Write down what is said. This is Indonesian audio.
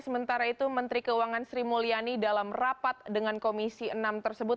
sementara itu menteri keuangan sri mulyani dalam rapat dengan komisi enam tersebut